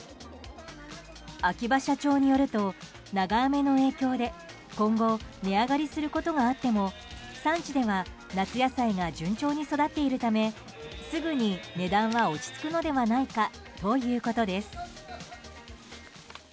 秋葉社長によると長雨の影響で今後値上がりすることがあっても産地では夏野菜が順調に育っているためすぐに値段は落ち着くのではないかということです。